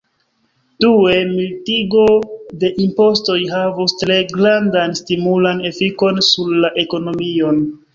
Due, mildigo de impostoj havus tre grandan stimulan efikon sur la ekonomion.